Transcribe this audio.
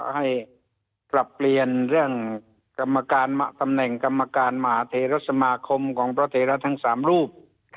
ให้ปรับเปลี่ยนเรื่องกรรมการตำแหน่งกรรมการมหาเทรสมาคมของพระเทระทั้ง๓รูป